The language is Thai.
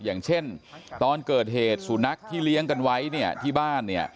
อย่างเช่นตอนเกิดเหตุสุนัขที่เลี้ยงกันไว้ที่บ้าน